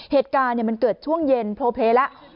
เหตุการณ์เนี่ยมันเกิดช่วงเย็นโพเพแล้ว